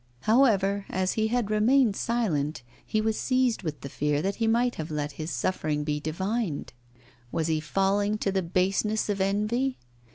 However, as he had remained silent, he was seized with the fear that he might have let his suffering be divined. Was he falling to the baseness of envy?